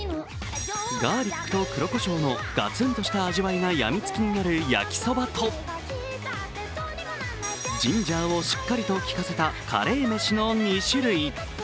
ガーリックと黒こしょうのガツンとした味わいが癖になる焼そばとジンジャーをしっかりと効かせたカレーメシの２種類。